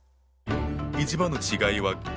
一番の違いは原料。